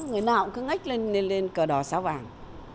người nào cũng cứ ngách lên cờ đỏ sao vàng